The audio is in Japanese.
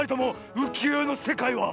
うきよえのせかいは。